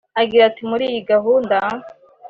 Agira ati”muri iyi gahunda